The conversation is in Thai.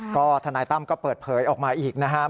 ก็ทนายตั้มก็เปิดเผยออกมาอีกนะครับ